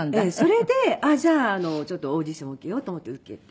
それでじゃあちょっとオーディションを受けようと思って受けて。